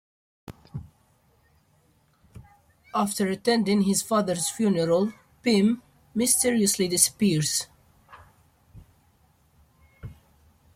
After attending his father's funeral, Pym mysteriously disappears.